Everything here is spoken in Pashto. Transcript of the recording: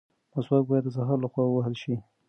مسواک باید د سهار لخوا ووهل شي.